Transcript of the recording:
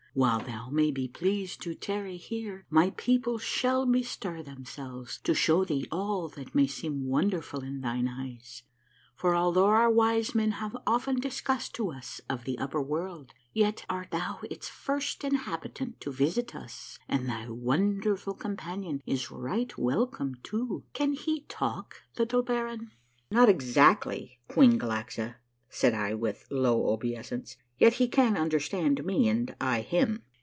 Whilst thou may be pleased to tarry here, my people shall bestir themselves to show thee all that may seem wonderful in thine eyes ; for although our wise men have often discussed to us of the upper world, yet art thou its first inhabit ant to visit us, and thy wonderful companion is right welcome too. Can he talk, little baron?" "Not exactly. Queen Galaxa," said I with low obeisance, " yet he can understand me and I him."